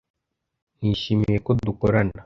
Nishimiye ko dukorana